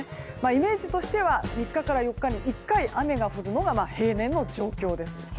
イメージとしては３日から４日に１回雨が降るのが平年の状況です。